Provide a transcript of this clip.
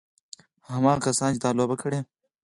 هماغه کسانو چې دا لوبه کړې.